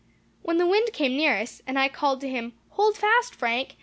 When the wind came nearest, and I called to him, 'Hold fast, Frank!